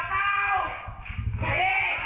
มันมัน